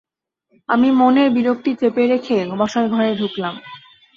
আমি মনের বিরক্তি চেপে রেখে বসার ঘরে ঢুকলাম।